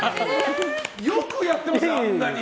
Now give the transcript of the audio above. よくやってますね、あんなに。